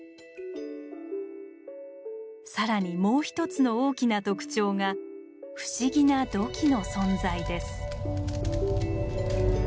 更にもう一つの大きな特徴が不思議な土器の存在です。